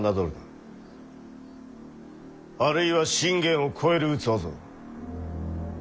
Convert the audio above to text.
あるいは信玄を超える器ぞ。